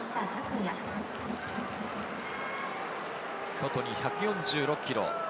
外に１４６キロ。